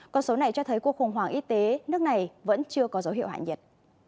con số này cho thấy cuộc khủng hoảng y tế nước này vẫn chưa có dấu hiệu hạ nhiệt